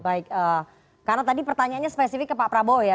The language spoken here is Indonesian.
baik karena tadi pertanyaannya spesifik ke pak prabowo ya